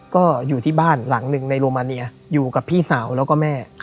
ก็อยู่ที่บ้านหลังหนึ่งในโรมาเนียอยู่กับพี่สาวแล้วก็แม่